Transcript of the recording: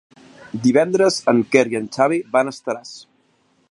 Divendres en Quer i en Xavi van a Estaràs.